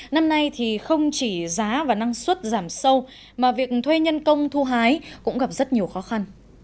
năm nay thì không chỉ giá và năng suất giảm sâu mà việc thuê nhân công thu hái cũng gặp rất nhiều khó khăn